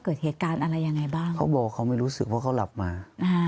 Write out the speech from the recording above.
เกิดเหตุการณ์อะไรยังไงบ้างเขาบอกเขาไม่รู้สึกว่าเขาหลับมาอ่า